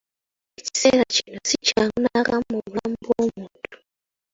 Ekiseera kino si kyangu n'akamu mu bulamu bw'omuntu.